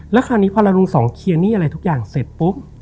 แล้วคราวนี้พอละลุงสองเคลียร์หนี้อะไรทุกอย่างเสร็จปุ๊บ